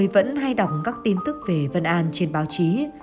vân anh hay đọc các tin tức về vân anh trên báo chí